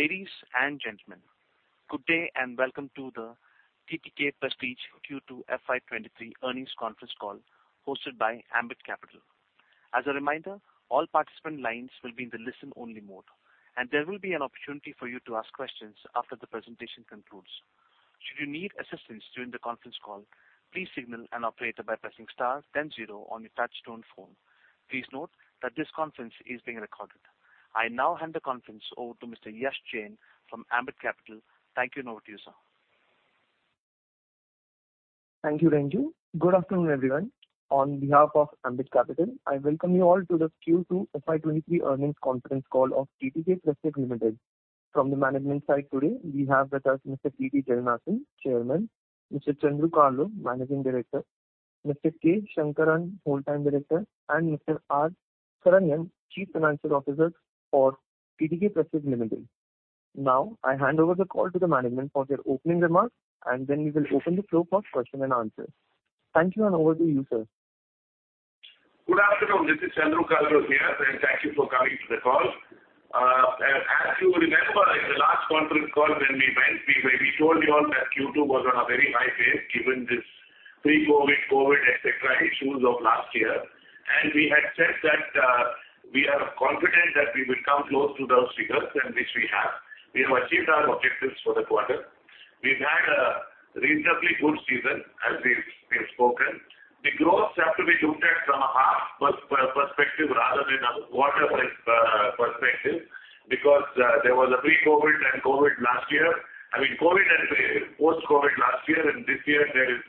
Ladies and gentlemen, good day and welcome to the TTK Prestige Q2 FY23 earnings conference call hosted by Ambit Capital. As a reminder, all participant lines will be in the listen-only mode, and there will be an opportunity for you to ask questions after the presentation concludes. Should you need assistance during the conference call, please signal an operator by pressing star 100 on your touch-tone phone. Please note that this conference is being recorded. I now hand the conference over to Mr. Yash Jain from Ambit Capital. Thank you and over to you, sir. Thank you, Renju. Good afternoon, everyone. On behalf of Ambit Capital, I welcome you all to the Q2 FY23 earnings conference call of TTK Prestige Ltd. From the management side today, we have with us Mr. T.T. Jagannathan, Chairman, Mr. Chandru Kalro, Managing Director, Mr. K. Shankaran, Full-Time Director, and Mr. R. Saranyan, Chief Financial Officer for TTK Prestige Ltd. Now, I hand over the call to the management for their opening remarks, and then we will open the floor for question and answer. Thank you and over to you, sir. Good afternoon. This is Chandru Kalro here and thank you for coming to the call. As you remember, in the last conference call when we went, we told you all that Q2 was on a very high pace given this pre-COVID, COVID, etc., issues of last year, and we had said that we are confident that we will come close to those figures and which we have. We have achieved our objectives for the quarter. We've had a reasonably good season as we have spoken. The growth has to be looked at from a half perspective rather than a quarter perspective because there was a pre-COVID and COVID last year. I mean, COVID and post-COVID last year and this year there is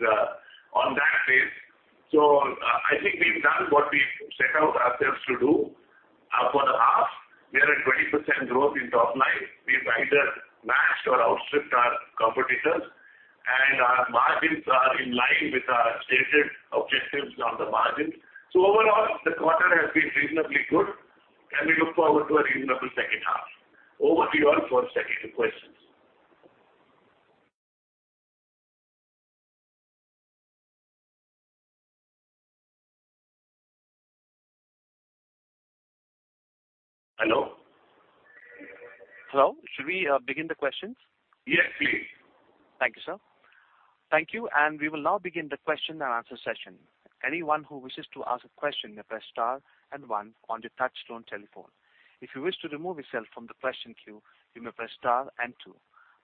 on that pace, so I think we've done what we set out ourselves to do for the half. We are at 20% growth in top line. We've either matched or outstripped our competitors, and our margins are in line with our stated objectives on the margins. So overall, the quarter has been reasonably good, and we look forward to a reasonable second half. Over to you all for second questions. Hello? Hello. Should we begin the questions? Yes, please. Thank you, sir. Thank you, and we will now begin the question and answer session. Anyone who wishes to ask a question may press star and one on the touch-tone telephone. If you wish to remove yourself from the question queue, you may press star and two.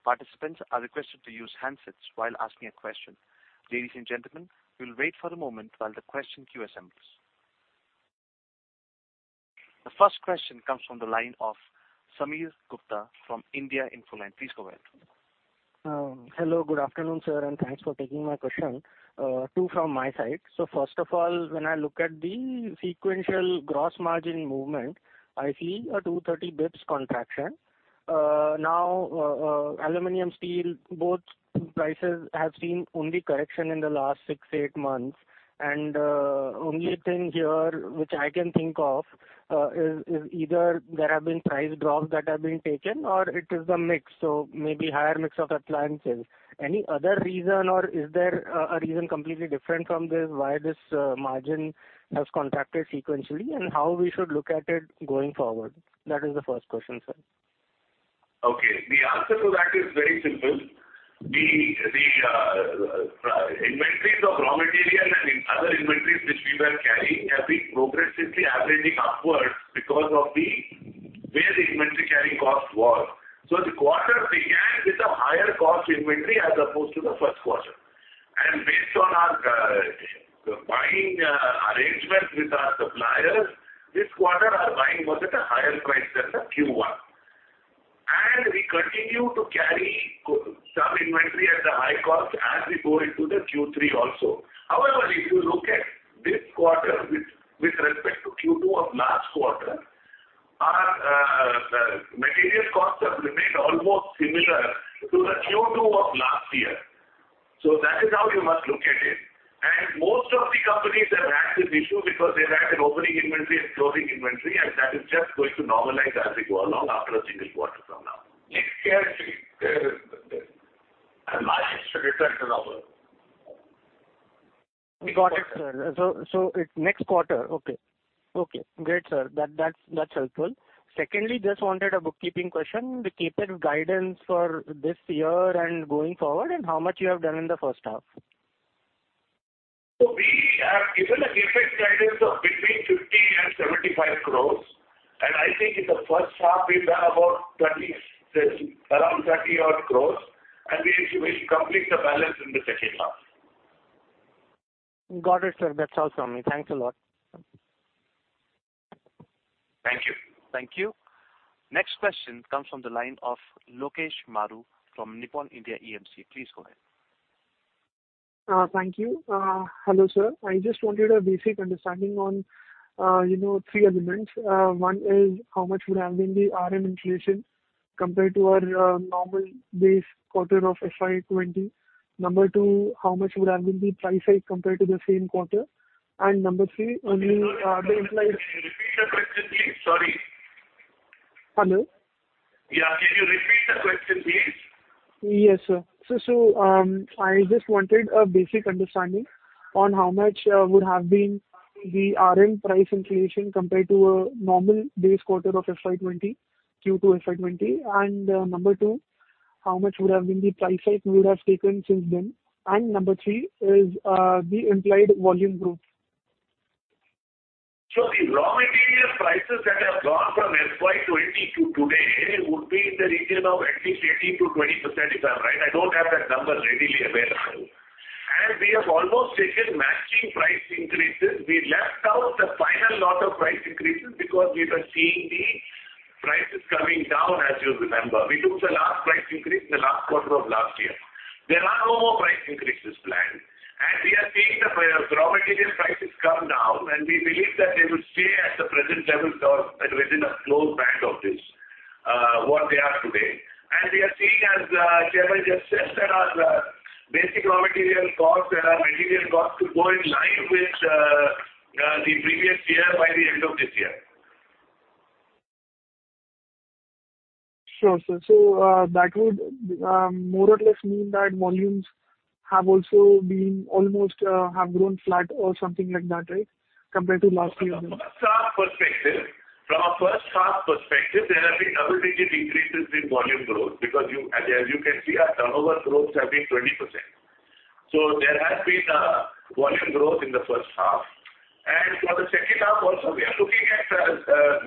Participants are requested to use handsets while asking a question. Ladies and gentlemen, we'll wait for a moment while the question queue assembles. The first question comes from the line of Sameer Gupta from India Infoline. Please go ahead. Hello. Good afternoon, sir, and thanks for taking my question. Two from my side. So first of all, when I look at the sequential gross margin movement, I see a 230 basis points contraction. Now, aluminum steel, both prices have seen only correction in the last six, eight months. And only thing here which I can think of is either there have been price drops that have been taken or it is the mix. So maybe higher mix of appliances. Any other reason or is there a reason completely different from this why this margin has contracted sequentially and how we should look at it going forward? That is the first question, sir. Okay. The answer to that is very simple. The inventories of raw material and other inventories which we were carrying have been progressively averaging upwards because of the way the inventory carrying cost was. So the quarter began with a higher cost inventory as opposed to the first quarter. And based on our buying arrangements with our suppliers, this quarter our buying was at a higher price than the Q1. And we continue to carry some inventory at the high cost as we go into the Q3 also. However, if you look at this quarter with respect to Q2 of last quarter, our material costs have remained almost similar to the Q2 of last year. So that is how you must look at it. Most of the companies have had this issue because they've had an opening inventory and closing inventory, and that is just going to normalize as we go along after a single quarter from now. Yes, please. And my issue is right now. We got it, sir. So it's next quarter. Okay. Okay. Great, sir. That's helpful. Secondly, just wanted a bookkeeping question. The CapEx guidance for this year and going forward and how much you have done in the first half? So we have given a CapEx guidance of between 50 crores and 75 crores, and I think in the first half we've done about 30, around 30 odd crores, and we will complete the balance in the second half. Got it, sir. That's all from me. Thanks a lot. Thank you. Thank you. Next question comes from the line of Lokesh Maru from Nippon India Mutual Fund. Please go ahead. Thank you. Hello, sir. I just wanted a basic understanding on three elements. One is how much would have been the RM inflation compared to our normal base quarter of FY20. Number two, how much would have been the price hike compared to the same quarter. And number three, only the implied. Can you repeat the question, please? Sorry. Hello? Yeah. Can you repeat the question, please? Yes, sir. So I just wanted a basic understanding on how much would have been the RM price inflation compared to a normal base quarter of FY20, Q2 FY20. And number two, how much would have been the price hike we would have taken since then. And number three is the implied volume growth. The raw material prices that have gone from FY 2020 to today would be in the region of at least 18%-20% if I'm right. I don't have that number readily available. We have almost taken matching price increases. We left out the final lot of price increases because we were seeing the prices coming down, as you remember. We took the last price increase in the last quarter of last year. There are no more price increases planned. We are seeing the raw material prices come down, and we believe that they will stay at the present levels or at the region of close band of this, what they are today. We are seeing, as Chairman just said, that our basic raw material costs, that our material costs could go in line with the previous year by the end of this year. Sure, sir. That would more or less mean that volumes have also almost grown flat or something like that, right, compared to last year? From a first-half perspective, there have been double-digit increases in volume growth because, as you can see, our turnover growth has been 20%. So there has been volume growth in the first half. And for the second half also, we are looking at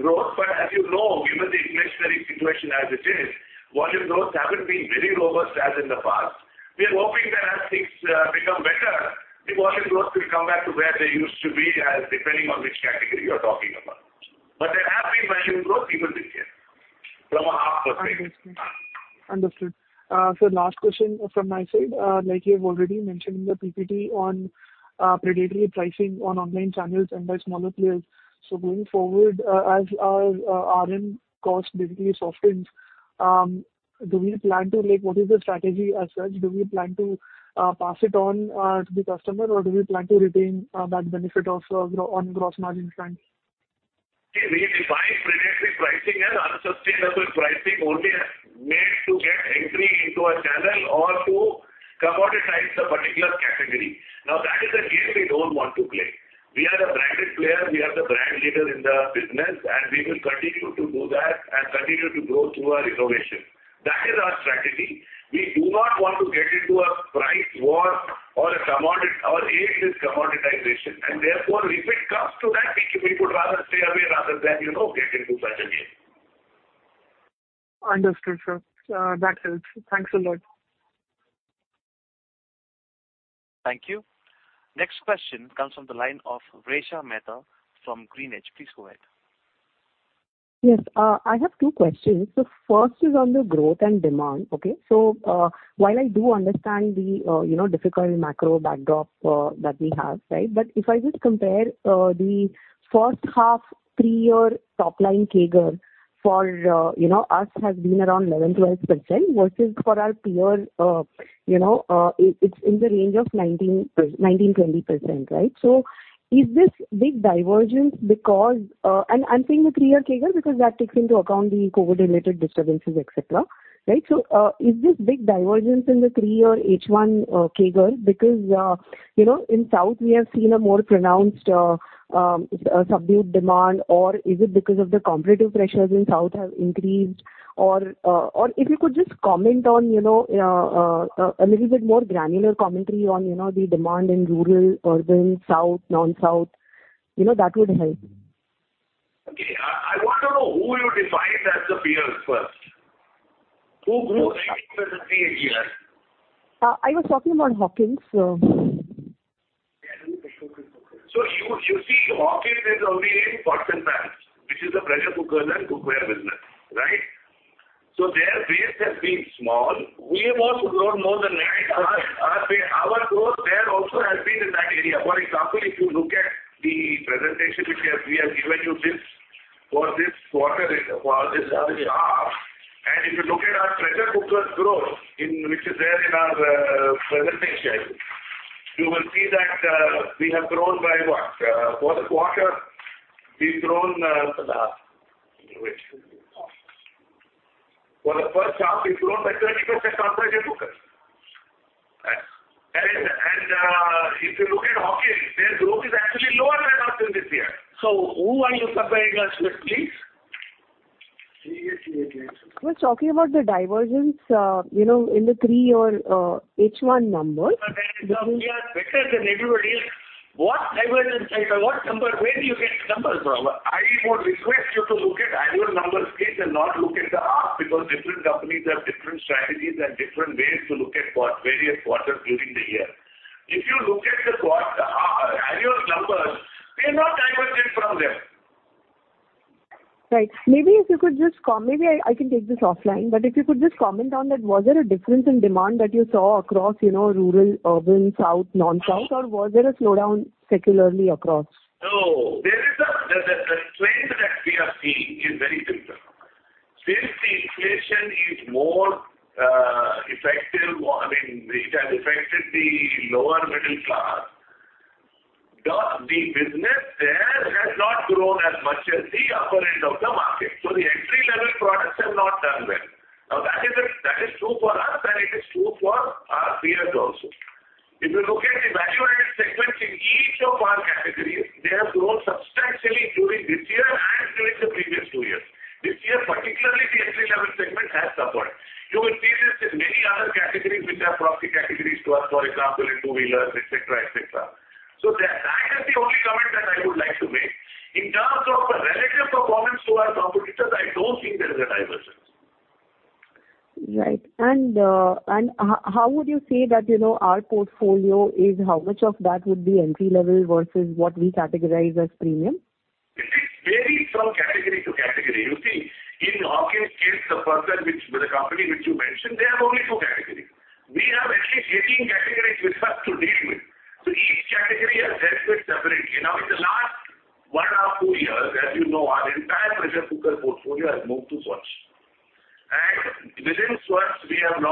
growth, but as you know, given the inflationary situation as it is, volume growth hasn't been very robust as in the past. We are hoping that as things become better, the volume growth will come back to where they used to be as depending on which category you're talking about. But there have been volume growth even this year from a half percent. Understood. Understood. Sir, last question from my side. Like you have already mentioned in the PPT on predatory pricing on online channels and by smaller players. So going forward, as our RM cost basically softens, do we plan to what is the strategy as such? Do we plan to pass it on to the customer, or do we plan to retain that benefit of on gross margin plan? We will find predatory pricing as unsustainable pricing only made to get entry into a channel or to come out and hide the particular category. Now, that is a game we don't want to play. We are a branded player. We are the brand leader in the business, and we will continue to do that and continue to grow through our innovation. That is our strategy. We do not want to get into a price war or a commodity or aid this commoditization. And therefore, if it comes to that, we would rather stay away rather than get into such a game. Understood, sir. That helps. Thanks a lot. Thank you. Next question comes from the line of Resha Mehta from GreenEdge. Please go ahead. Yes. I have two questions. So first is on the growth and demand. Okay. So while I do understand the difficult macro backdrop that we have, right, but if I just compare the first half three-year top line CAGR for us has been around 11%-12% versus for our peer, it's in the range of 19%-20%, right? So is this big divergence because and I'm saying the three-year CAGR because that takes into account the COVID-related disturbances, etc., right? So is this big divergence in the three-year H1 CAGR because in South, we have seen a more pronounced subdued demand, or is it because of the competitive pressures in South have increased? Or if you could just comment on a little bit more granular commentary on the demand in rural, urban, South, non-South, that would help. Okay. I want to know who you define as the peers first. Who grew 18% in a year? I was talking about Hawkins. So you see Hawkins is only in pots and pans, which is a pressure cooker and cookware business, right? So their base has been small. We have also grown more than that. Our growth there also has been in that area. For example, if you look at the presentation which we have given you for this quarter, for this half, and if you look at our pressure cooker growth, which is there in our presentation, you will see that we have grown by what? For the quarter, we've grown for the first half, we've grown by 30% on pressure cookers. And if you look at Hawkins, their growth is actually lower than us in this year. Who are you comparing us with, please? We were talking about the divergence in the three-year H1 numbers. But then it looks better than everybody else. What divergence? What number? Where do you get numbers from? I would request you to look at annual numbers please and not look at the half because different companies have different strategies and different ways to look at various quarters during the year. If you look at the annual numbers, they're not divergent from them. Right. Maybe if you could just maybe I can take this offline, but if you could just comment on that, was there a difference in demand that you saw across rural, urban, South, non-South, or was there a slowdown secularly across? No. The trend that we are seeing is very similar. Since the inflation is more effective, I mean, it has affected the lower middle class, the business there has not grown as much as the upper end of the market. So the entry-level products have not done well. Now, that is true for us, and it is true for our peers also. If you look at the value-added segments in each of our categories, they have grown substantially during this year and during the previous two years. This year, particularly, the entry-level segment has suffered. You will see this in many other categories which are proxy categories to us, for example, in two-wheelers, etc., etc. So that is the only comment that I would like to make. In terms of the relative performance to our competitors, I don't think there is a divergence. Right. And how would you say that our portfolio is, how much of that would be entry-level versus what we categorize as premium? It varies from category to category. You see, in Hawkins case, the company which you mentioned, they have only two categories. We have at least 18 categories with us to deal with. So each category has helped me separately. Now, in the last one or two years, as you know, our entire pressure cooker portfolio has moved to Svachh. And within Svachh, we have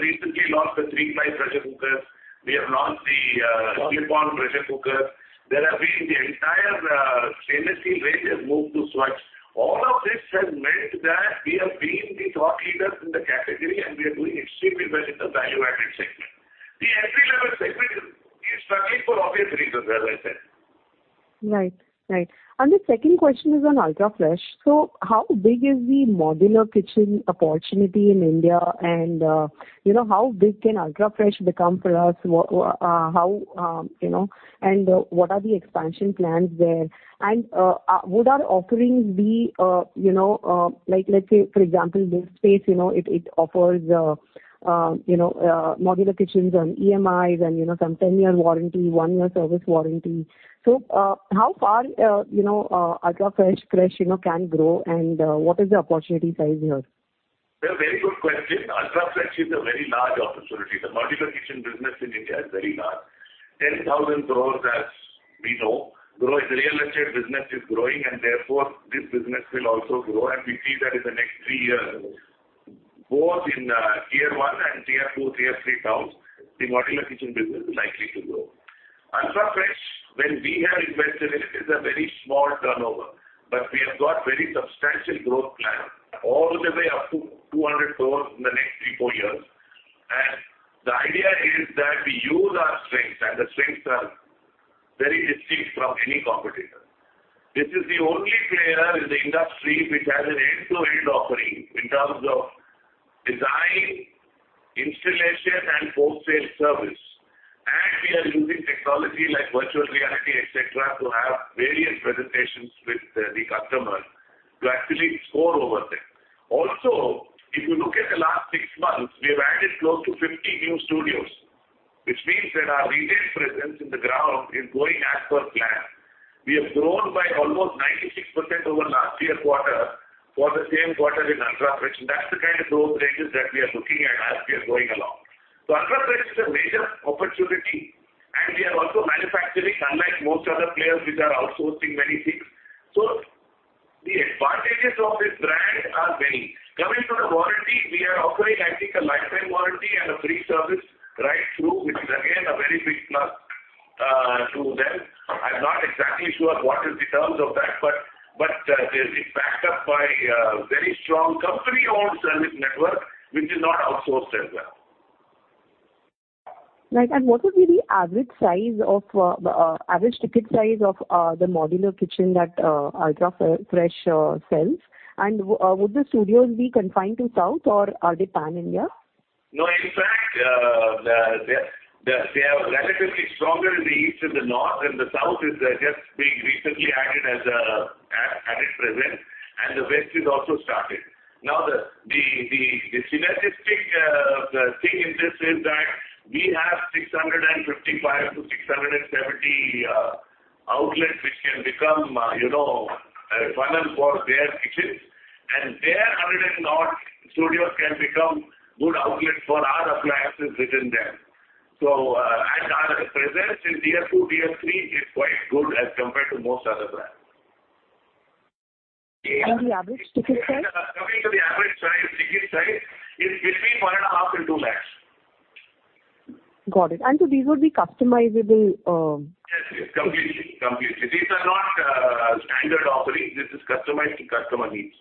recently launched the three-ply pressure cookers. We have launched the clip-on pressure cookers. There have been the entire stainless steel range has moved to Svachh. All of this has meant that we have been the thought leaders in the category, and we are doing extremely well in the value-added segment. The entry-level segment is struggling for obvious reasons, as I said. Right. Right. And the second question is on Ultrafresh. So how big is the modular kitchen opportunity in India, and how big can Ultrafresh become for us? And what are the expansion plans there? And would our offerings be like, let's say, for example, this space, it offers modular kitchens on EMIs and some 10-year warranty, one-year service warranty. So how far Ultrafresh can grow, and what is the opportunity size here? Very good question. Ultrafresh is a very large opportunity. The modular kitchen business in India is very large. 10,000 crores, as we know, growing. The real estate business is growing, and therefore, this business will also grow, and we see that in the next three years, both in Tier 1 and Tier 2, Tier 3 towns, the modular kitchen business is likely to grow. Ultrafresh, when we have invested in it, is a very small turnover, but we have got very substantial growth plans all the way up to 200 crores in the next three, four years, and the idea is that we use our strengths, and the strengths are very distinct from any competitor. This is the only player in the industry which has an end-to-end offering in terms of design, installation, and post-sale service. We are using technology like virtual reality, etc., to have various presentations with the customer to actually score over them. Also, if you look at the last six months, we have added close to 50 new studios, which means that our retail presence on the ground is going as per plan. We have grown by almost 96% over last year's quarter for the same quarter in Ultrafresh. And that's the kind of growth ranges that we are looking at as we are going along. So Ultrafresh is a major opportunity, and we are also manufacturing, unlike most other players which are outsourcing many things. So the advantages of this brand are many. Coming to the warranty, we are offering, I think, a lifetime warranty and a free service right through, which is again a very big plus to them. I'm not exactly sure what is the terms of that, but it's backed up by a very strong company-owned service network, which is not outsourced as well. Right. And what would be the average size of the average ticket size of the modular kitchen that Ultrafresh sells? And would the studios be confined to South, or are they pan-India? No. In fact, they are relatively stronger in the East and the North, and the South is just being recently added as an added presence, and the West is also started. Now, the synergistic thing in this is that we have 655-670 outlets which can become a funnel for their kitchens, and their 100-odd studios can become good outlets for our appliances within them. Our presence in Tier 2, Tier 3 is quite good as compared to most other brands. The average ticket size? Coming to the average price, ticket size is between 1.5 lakhs and 2 lakhs. Got it. And so these would be customizable? Yes, yes. Completely. Completely. These are not standard offerings. This is customized to customer needs.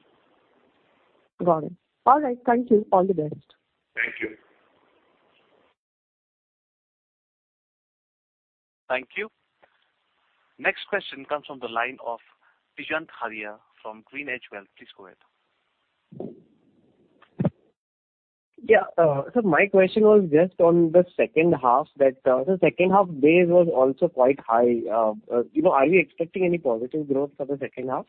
Got it. All right. Thank you. All the best. Thank you. Thank you. Next question comes from the line of Digant Haria from GreenEdge Wealth. Please go ahead. Yeah. So my question was just on the second half that the second half base was also quite high. Are we expecting any positive growth for the second half?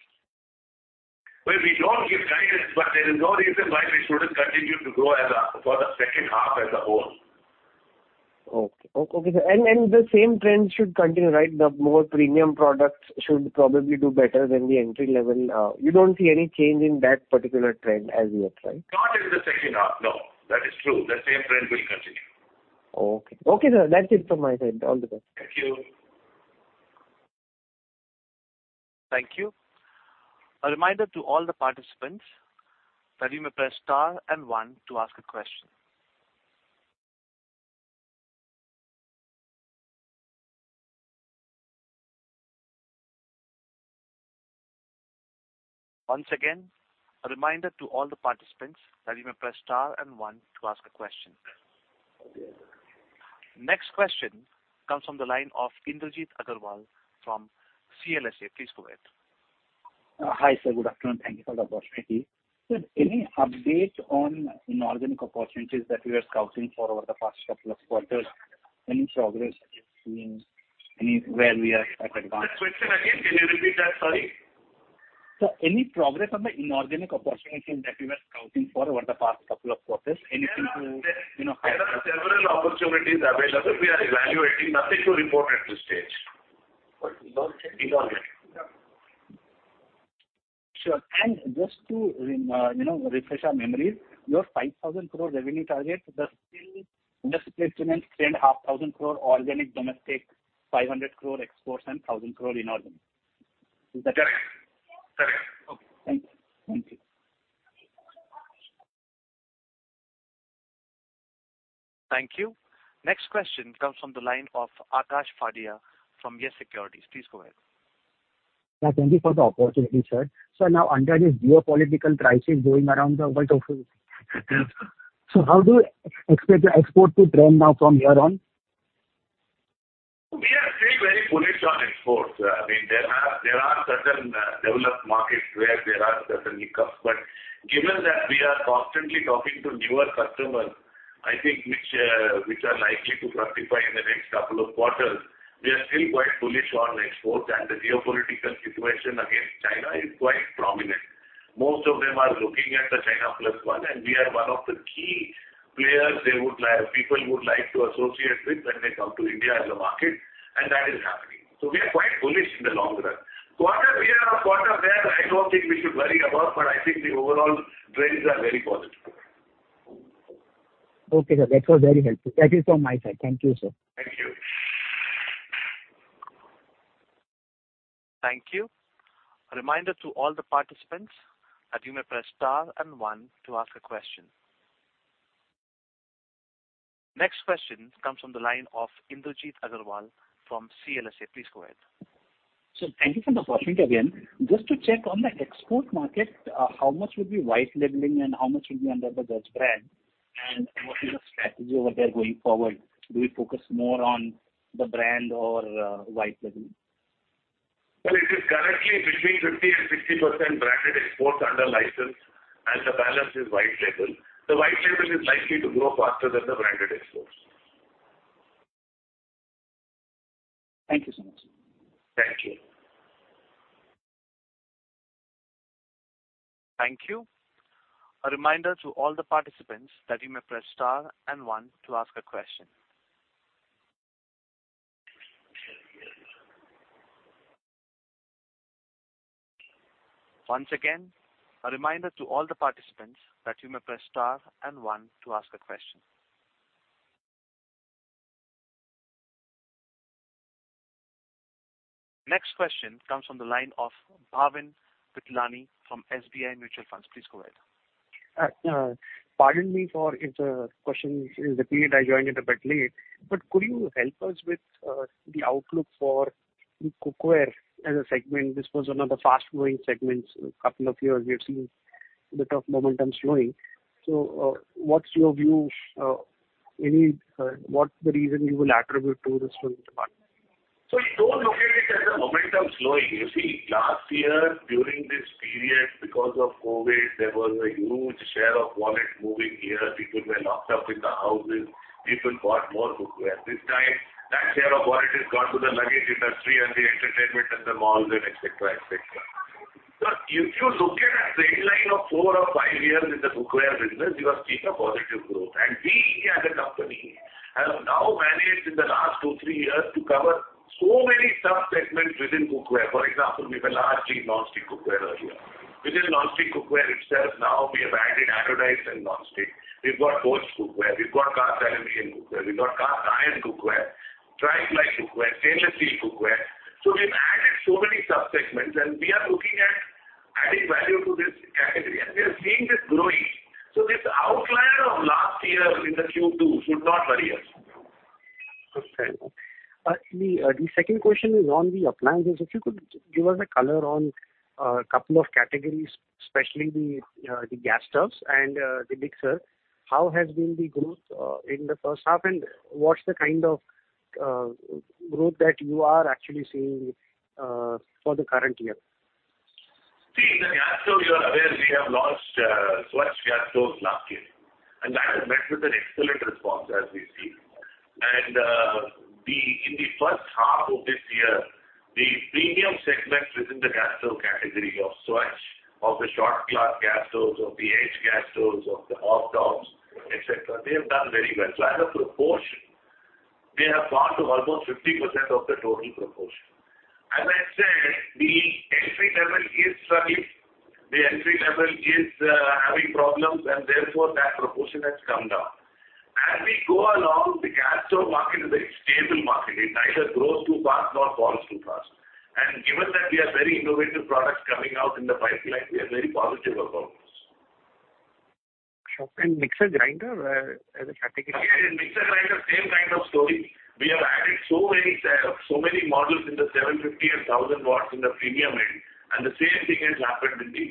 We don't give guidance, but there is no reason why we shouldn't continue to grow for the second half as a whole. Okay. And the same trend should continue, right? The more premium products should probably do better than the entry-level. You don't see any change in that particular trend as yet, right? Not in the second half. No. That is true. The same trend will continue. Okay. Okay, sir. That's it from my side. All the best. Thank you. Thank you. A reminder to all the participants, please press star and one to ask a question. Once again, a reminder to all the participants, please press star and one to ask a question. Next question comes from the line of Indrajit Agarwal from CLSA. Please go ahead. Hi, sir. Good afternoon. Thank you for the opportunity. So any update on inorganic opportunities that we are scouting for over the past couple of quarters? Any progress we've seen? Anywhere we are at advanced? Question again. Can you repeat that? Sorry. So any progress on the inorganic opportunities that we were scouting for over the past couple of quarters? Anything to highlight? There are several opportunities available. We are evaluating. Nothing to report at this stage. Inorganic. Sure. And just to refresh our memories, your 5,000 crore revenue target, the split is 3,500 crore organic domestic, 500 crore exports, and 1,000 crore inorganic. Is that correct? Correct. Correct. Okay. Thank you. Thank you. Thank you. Next question comes from the line of Aakash Fadia from YES SECURITIES. Please go ahead. Yeah. Thank you for the opportunity, sir. So now, under this geopolitical crisis going around the world, so how do you expect the export to trend now from here on? We are still very bullish on exports. I mean, there are certain developed markets where there are certain hiccups. But given that we are constantly talking to newer customers, I think, which are likely to fructify in the next couple of quarters, we are still quite bullish on exports. And the geopolitical situation against China is quite prominent. Most of them are looking at the China Plus One, and we are one of the key players people would like to associate with when they come to India as a market, and that is happening. So we are quite bullish in the long run. Quarter-to-quarter or year-to-year, I don't think we should worry about, but I think the overall trends are very positive. Okay, sir. That was very helpful. That is from my side. Thank you, sir. Thank you. Thank you. A reminder to all the participants, please press star and one to ask a question. Next question comes from the line of Indrajit Agarwal from CLSA. Please go ahead. So thank you for the opportunity again. Just to check on the export market, how much would be white labeling and how much would be under the Dutch brand? And what is the strategy over there going forward? Do we focus more on the brand or white labeling? It is currently between 50% and 60% branded exports under license, and the balance is white label. The white label is likely to grow faster than the branded exports. Thank you so much. Thank you. Thank you. A reminder to all the participants that you may press star and one to ask a question. Once again, a reminder to all the participants that you may press star and one to ask a question. Next question comes from the line of Bhavin Vithlani from SBI Mutual Fund. Please go ahead. Pardon me if the question is repeated, I joined it a bit late, but could you help us with the outlook for the cookware as a segment? This was one of the fast-moving segments a couple of years. We have seen a bit of momentum slowing. So what's your view? What's the reason you will attribute to this one? So don't look at it as a momentum slowing. You see, last year, during this period, because of COVID, there was a huge share of wallet moving here. People were locked up in the houses. People bought more cookware. This time, that share of wallet has gone to the luggage industry and the entertainment and the malls and etc., etc. So if you look at a trend line of four or five years in the cookware business, you have seen a positive growth. And we, as a company, have now managed in the last two, three years to cover so many subsegments within cookware. For example, we were large in non-stick cookware earlier. Within non-stick cookware itself, now we have added anodized and non-stick. We've got gold cookware. We've got cast aluminum cookware. We've got cast iron cookware, tri-ply cookware, stainless steel cookware. So we've added so many subsegments, and we are looking at adding value to this category, and we are seeing this growing. So this outlier of last year in the Q2 should not worry us. Okay. The second question is on the appliances. If you could give us a color on a couple of categories, especially the gas stoves and the mixer, how has been the growth in the first half, and what's the kind of growth that you are actually seeing for the current year? See, in the gas stove, you are aware, we have launched Svachh gas stoves last year, and that has met with an excellent response, as we see. In the first half of this year, the premium segment within the gas stove category of Svachh, of the Schott Glass gas stoves, of the Edge gas stoves, of the hob-tops, etc., they have done very well. So as a proportion, they have gone to almost 50% of the total proportion. As I said, the entry-level is struggling. The entry-level is having problems, and therefore, that proportion has come down. As we go along, the gas stove market is a very stable market. It neither grows too fast nor falls too fast. Given that we have very innovative products coming out in the pipeline, we are very positive about this. Sure, and mixer grinder as a category? Again, mixer grinder, same kind of story. We have added so many models in the 750 and 1,000 watts in the premium end, and the same thing has happened in the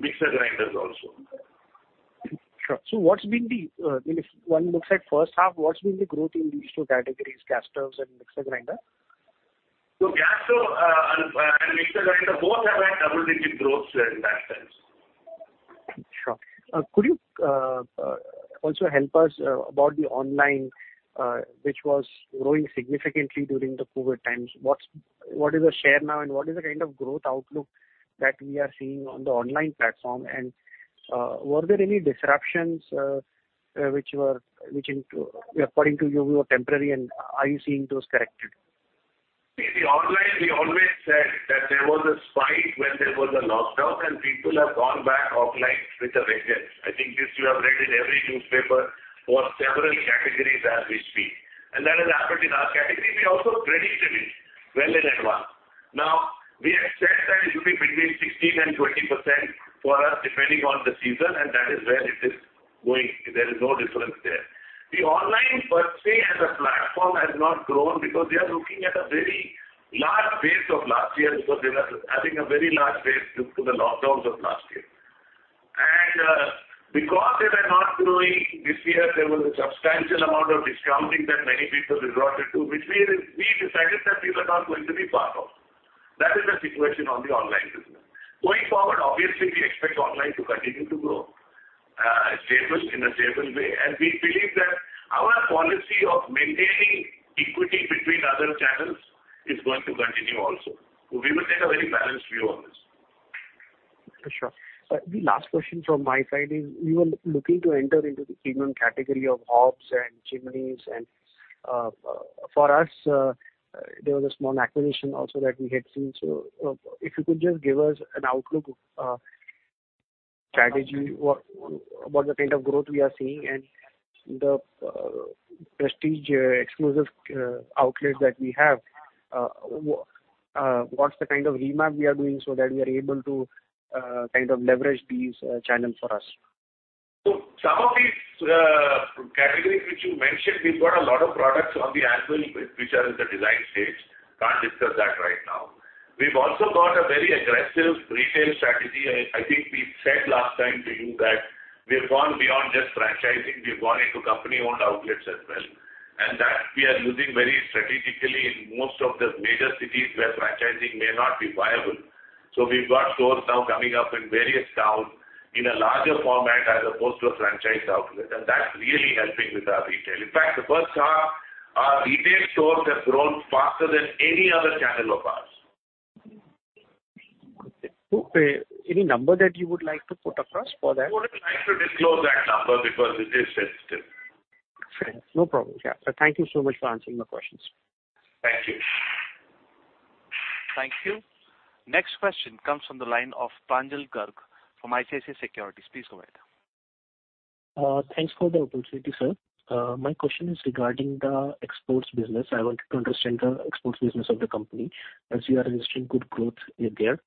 mixer grinders also. Sure. So what's been the, if one looks at first half, what's been the growth in these two categories, gas stoves and mixer grinder? So gas stove and mixer grinder both have had double-digit growth in that sense. Sure. Could you also help us about the online, which was growing significantly during the COVID times? What is the share now, and what is the kind of growth outlook that we are seeing on the online platform? And were there any disruptions which, according to you, were temporary, and are you seeing those corrected? See, the online, we always said that there was a spike when there was a lockdown, and people have gone back offline with a vengeance. I think this you have read in every newspaper for several categories as we speak. And that has happened in our category. We also predicted it well in advance. Now, we have said that it will be between 16% and 20% for us, depending on the season, and that is where it is going. There is no difference there. The online, per se, as a platform has not grown because we are looking at a very large base of last year because we were having a very large base due to the lockdowns of last year. Because they were not growing this year, there was a substantial amount of discounting that many people resorted to, which we decided that we were not going to be part of. That is the situation on the online business. Going forward, obviously, we expect online to continue to grow in a stable way, and we believe that our policy of maintaining equity between other channels is going to continue also. We will take a very balanced view on this. Sure. The last question from my side is we were looking to enter into the premium category of hobs and chimneys. And for us, there was a small acquisition also that we had seen. So if you could just give us an outlook strategy about the kind of growth we are seeing and the Prestige Xclusive outlets that we have, what's the kind of re-merch we are doing so that we are able to kind of leverage these channels for us? So some of these categories which you mentioned, we've got a lot of products on the anvil, which are in the design stage. Can't discuss that right now. We've also got a very aggressive retail strategy. I think we said last time to you that we have gone beyond just franchising. We have gone into company-owned outlets as well. And that we are using very strategically in most of the major cities where franchising may not be viable. So we've got stores now coming up in various towns in a larger format as opposed to a franchise outlet. And that's really helping with our retail. In fact, the first half, our retail stores have grown faster than any other channel of ours. Okay. Any number that you would like to put across for that? I wouldn't like to disclose that number because it is sensitive. Fair. No problem. Yeah. Thank you so much for answering my questions. Thank you. Thank you. Next question comes from the line of Pranjal Garg from ICICI Securities. Please go ahead. Thanks for the opportunity, sir. My question is regarding the exports business. I wanted to understand the exports business of the company as you are registering good growth there.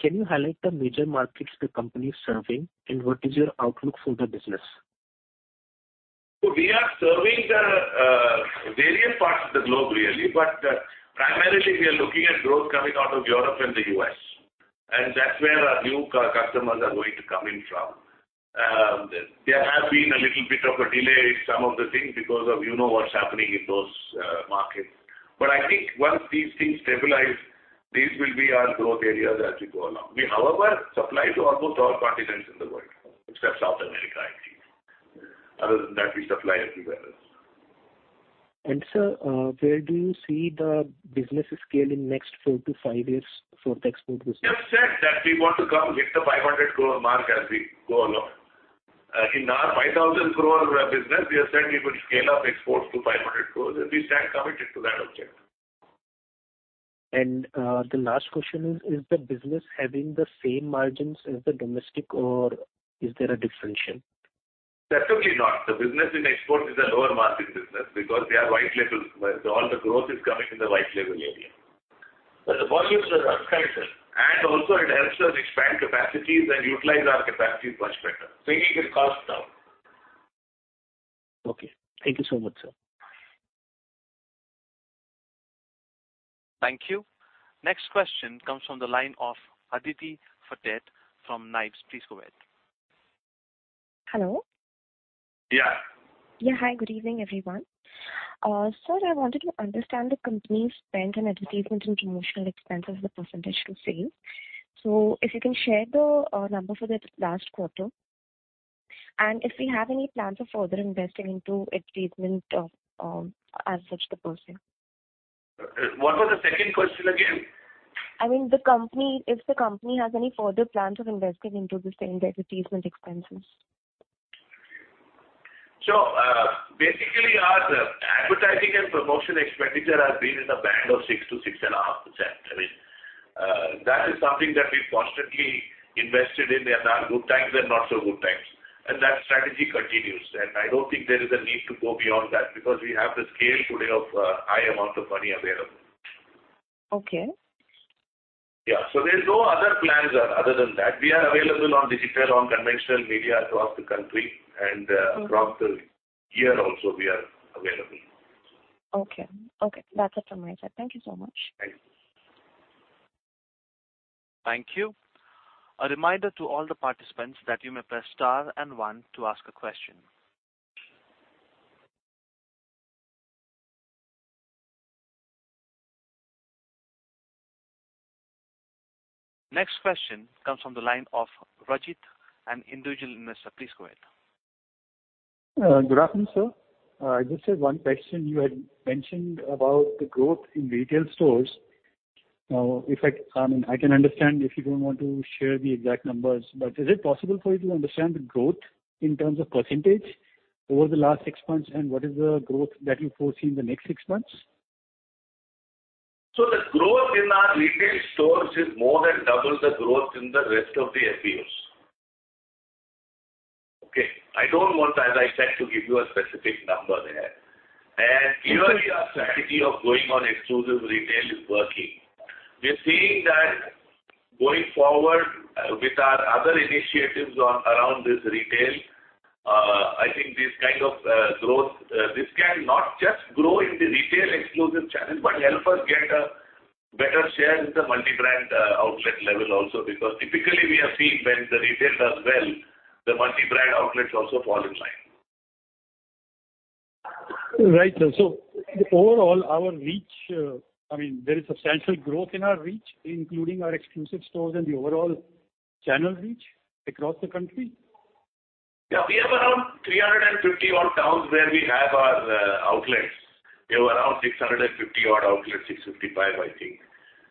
Can you highlight the major markets the company is serving, and what is your outlook for the business? So we are serving various parts of the globe, really. But primarily, we are looking at growth coming out of Europe and the U.S. And that's where our new customers are going to come in from. There has been a little bit of a delay in some of the things because of what's happening in those markets. But I think once these things stabilize, these will be our growth areas as we go along. We however supply to almost all continents in the world except South America, I think. Other than that, we supply everywhere else. Sir, where do you see the business scaling next four-to-five years for the export business? We have said that we want to come hit the 500 crore mark as we go along. In our 5,000 crore business, we have said we will scale up exports to 500 crore, and we stand committed to that objective. The last question is, is the business having the same margins as the domestic, or is there a differential? Certainly not. The business in exports is a lower-margin business because they are white label. All the growth is coming in the white label area. But the volumes are substantial, and also it helps us expand capacities and utilize our capacities much better, bringing its cost down. Okay. Thank you so much, sir. Thank you. Next question comes from the line of Aditi Bhatted from Niveshaay. Please go ahead. Hello? Yeah. Yeah. Hi. Good evening, everyone. Sir, I wanted to understand the company's spend and advertisement and promotional expenses, the percentage to sales. So if you can share the number for the last quarter and if we have any plans of further investing into advertisement as such the percent. What was the second question again? I mean, if the company has any further plans of investing into the spend and advertisement expenses? Basically, our advertising and promotion expenditure has been in the band of 6%-6.5%. I mean, that is something that we've constantly invested in. They are now good times and not so good times. That strategy continues. I don't think there is a need to go beyond that because we have the scale today of a high amount of money available. Okay. Yeah. So there's no other plans other than that. We are available on digital, on conventional media across the country, and across the year also, we are available. Okay. Okay. That's it from my side. Thank you so much. Thank you. Thank you. A reminder to all the participants that you may press star and one to ask a question. Next question comes from the line of Rajith, an individual investor. Please go ahead. Good afternoon, sir. I just had one question. You had mentioned about the growth in retail stores. I mean, I can understand if you don't want to share the exact numbers, but is it possible for you to understand the growth in terms of percentage over the last six months, and what is the growth that you foresee in the next six months? So the growth in our retail stores is more than double the growth in the rest of the SEOs. Okay. I don't want, as I said, to give you a specific number there. And clearly, our strategy of going on exclusive retail is working. We are seeing that going forward with our other initiatives around this retail, I think this kind of growth, this can not just grow in the retail exclusive channel, but help us get a better share in the multi-brand outlet level also because typically, we have seen when the retail does well, the multi-brand outlets also fall in line. Right. So overall, our reach, I mean, there is substantial growth in our reach, including our exclusive stores and the overall channel reach across the country? Yeah. We have around 350-odd towns where we have our outlets. We have around 650-odd outlets, 655, I think,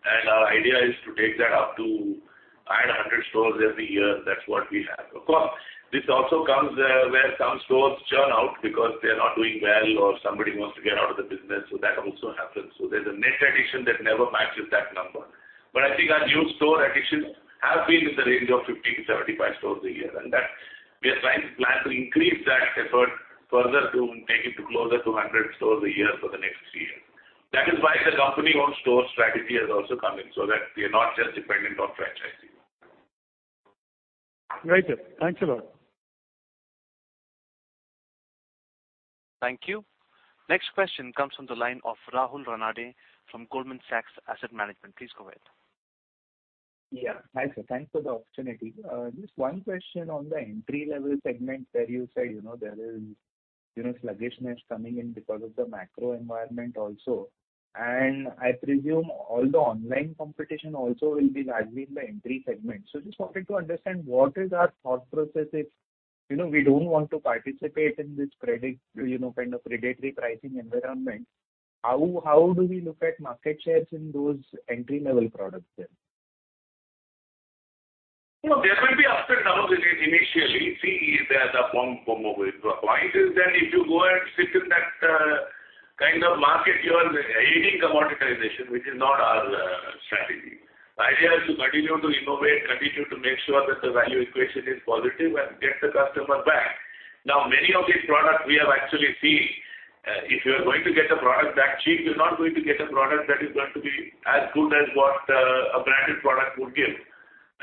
and our idea is to take that up to add 100 stores every year. That's what we have. Of course, this also comes where some stores churn out because they are not doing well or somebody wants to get out of the business. So that also happens, so there's a net addition that never matches that number, but I think our new store additions have been in the range of 50-75 stores a year, and we are trying to plan to increase that effort further to take it to closer to 100 stores a year for the next three years. That is why the company-owned store strategy has also come in so that we are not just dependent on franchising. Right. Thanks a lot. Thank you. Next question comes from the line of Rahul Ranade from Goldman Sachs Asset Management. Please go ahead. Yeah. Hi, sir. Thanks for the opportunity. Just one question on the entry-level segment where you said there is sluggishness coming in because of the macro environment also. And I presume all the online competition also will be largely in the entry segment. So just wanted to understand what is our thought process if we don't want to participate in this kind of predatory pricing environment. How do we look at market shares in those entry-level products then? There will be ups and downs initially. See, the point is that if you go and sit in that kind of market, you are aiding commoditization, which is not our strategy. The idea is to continue to innovate, continue to make sure that the value equation is positive, and get the customer back. Now, many of these products we have actually seen, if you are going to get a product that cheap, you're not going to get a product that is going to be as good as what a branded product would give.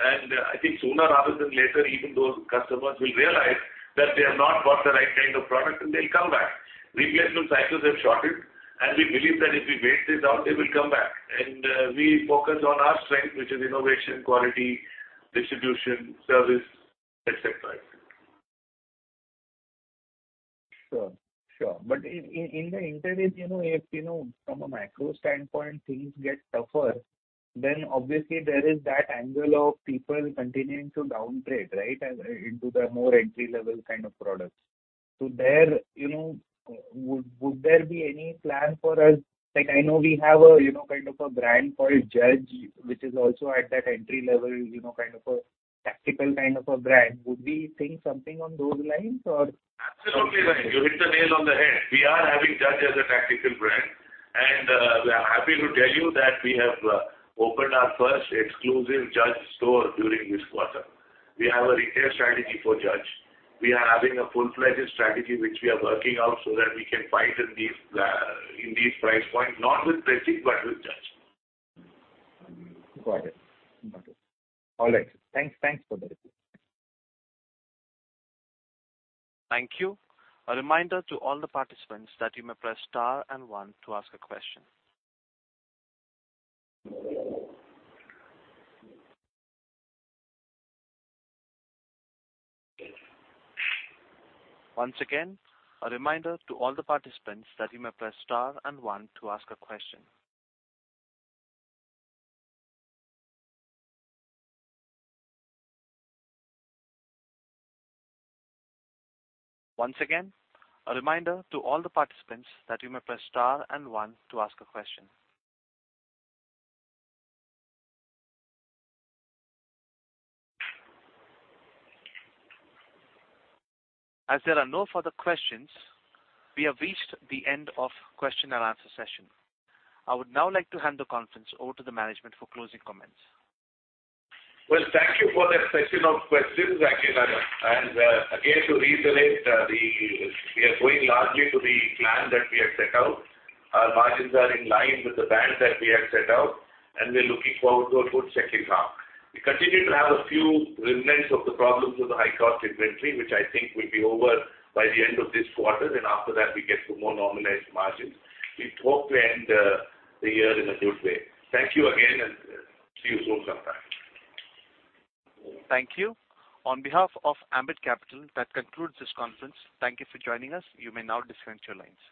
And I think sooner rather than later, even those customers will realize that they have not bought the right kind of product, and they'll come back. Replacement cycles have shortened, and we believe that if we wait this out, they will come back. And we focus on our strength, which is innovation, quality, distribution, service, etc., etc. Sure. Sure. But in the interim, if from a macro standpoint, things get tougher, then obviously there is that angle of people continuing to downgrade, right, into the more entry-level kind of products. So would there be any plan for us? I know we have a kind of a brand called Judge, which is also at that entry-level kind of a tactical kind of a brand. Would we think something on those lines, or? Absolutely right. You hit the nail on the head. We are having Judge as a tactical brand. And we are happy to tell you that we have opened our first exclusive Judge store during this quarter. We have a retail strategy for Judge. We are having a full-fledged strategy, which we are working out so that we can fight in these price points, not with Prestige, but with Judge. Got it. Got it. All right. Thanks. Thanks for the reply. Thank you. A reminder to all the participants that you may press star and one to ask a question. Once again, a reminder to all the participants that you may press star and one to ask a question. Once again, a reminder to all the participants that you may press star and one to ask a question. As there are no further questions, we have reached the end of the question-and-answer session. I would now like to hand the conference over to the management for closing comments. Thank you for that section of questions. Again, to reiterate, we are going largely to the plan that we had set out. Our margins are in line with the band that we had set out, and we're looking forward to a good second half. We continue to have a few remnants of the problems with the high-cost inventory, which I think will be over by the end of this quarter. After that, we get to more normalized margins. We hope to end the year in a good way. Thank you again, and see you soon, sometime. Thank you. On behalf of Ambit Capital, that concludes this conference. Thank you for joining us. You may now disconnect your lines.